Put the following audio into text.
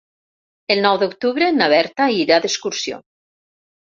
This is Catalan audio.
El nou d'octubre na Berta irà d'excursió.